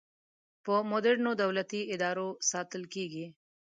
په مدرنو دولتي ادارو ساتل کیږي.